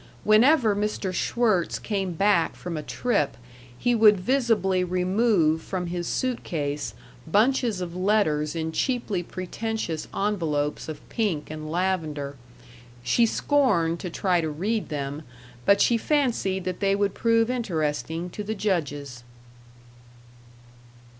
Whenever Mr. Schwirtz came back from a trip he would visibly remove from his suit case bunches of letters in cheaply pretentious envelopes of pink and lavender. She scorned to try to read them, but she fancied that they would prove interesting to the judges.